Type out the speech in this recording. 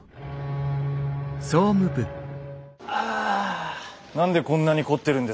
何でこんなに凝ってるんですか？